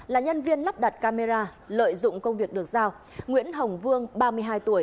là nhân viên lắp đặt camera lợi dụng công việc được giao nguyễn hồng vương ba mươi hai tuổi